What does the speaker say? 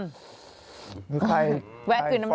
นี่ใครใครฟ้อมใหญ่มากนึกใคร